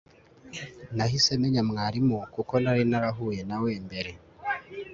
nahise menya mwarimu, kuko nari narahuye nawe mbere